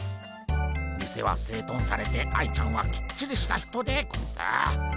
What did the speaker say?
店は整頓されて愛ちゃんはきっちりした人でゴンス。